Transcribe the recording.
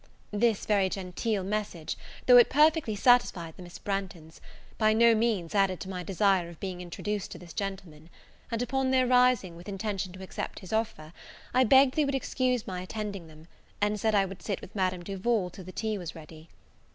This very genteel message, though it perfectly satisfied the Miss Branghtons, by no means added to my desire of being introduced to this gentleman; and upon their rising, with intention to accept his offer, I begged they would excuse my attending them, and said I would sit with Madame Duval till the tea was ready.